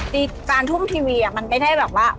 การทุ่มทีวีมันไม่ได้แบบว่า